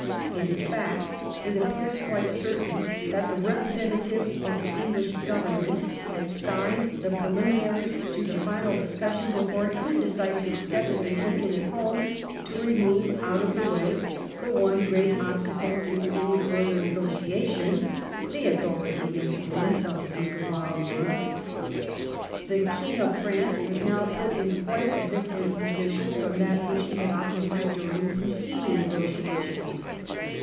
In fact, it appears quite certain that the representatives of the English Government had signed the preliminaries to the final discussion before any decisive step had been taken at home to remove out of the way the one great obstacle to any further negotiation — the authority and influence of the Duke of Marlborough. The King of France was now put in quite a different position from that which he had occupied during preceding negotiations.